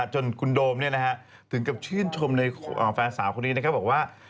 จนคุณโดมถึงกับชื่นชมในแฟนสาวคนนี้นะครับบอกว่า